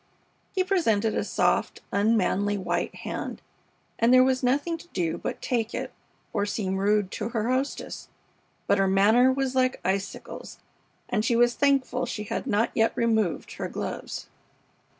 He presented a soft, unmanly white hand, and there was nothing to do but take it or seem rude to her hostess; but her manner was like icicles, and she was thankful she had not yet removed her gloves.